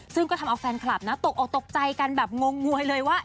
ซึ่งก็ทำเอาแฟนคลับนะตกออกตกใจกันแบบงงงวยเลยว่า